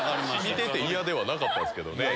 見てて嫌ではなかったですけどね。